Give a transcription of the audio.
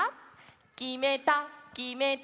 「きめたきめた」